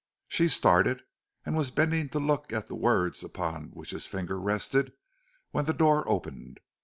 She started, and was bending to look at the words upon which his finger rested, when the door opened.